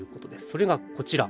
それがこちら。